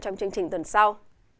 trong chương trình tuần sau